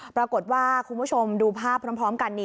ปรากฏว่าคุณผู้ชมดูภาพพร้อมกัน